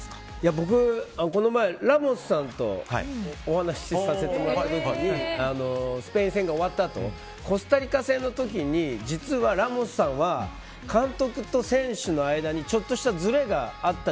僕この前、ラモスさんとお話しさせてもらった時にスペイン戦が終わったあとコスタリカ戦の時に実はラモスさんは監督と選手の間にちょっとしたずれがあったと。